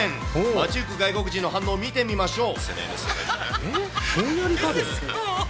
街行く外国人の反応を見てみましょう。